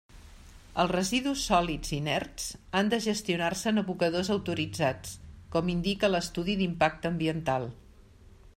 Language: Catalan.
Els residus sòlids inerts han de gestionar-se en abocadors autoritzats, com indica l'estudi d'impacte ambiental.